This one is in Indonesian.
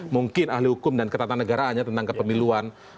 mungkin ahli hukum dan ketatan negaraannya tentang kepemiluan